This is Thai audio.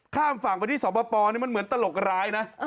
ข้ามฝั่งไปที่สปปนี่มันเหมือนตลกร้ายนะ